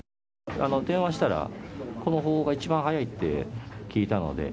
電話したら、この方法が一番早いって聞いたので。